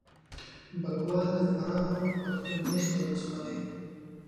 بکوا دفراه پښتون مېشته ولسوالي ده